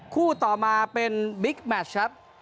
คู่ต่อมาเป็นบิ๊กแมชครับ